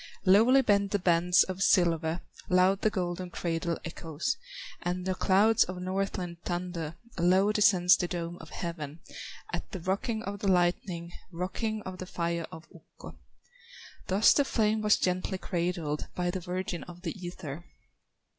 Lowly bend the bands of silver, Loud the golden cradle echoes, And the clouds of Northland thunder, Low descends the dome of heaven, At the rocking of the lightning, Rocking of the fire of Ukko. Thus the flame was gently cradled By the virgin of the ether.